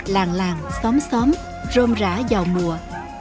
làng làng xóm xóm rôm rã vào mùa